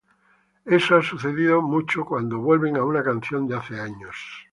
Eso ha sucedido mucho cuando vuelven a una canción de hace años".